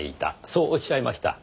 そうおっしゃいました。